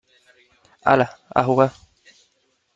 hala , a jugar .